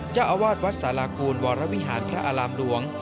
จะอวาดวัดสารกูลวรวิหารพระอารำรวง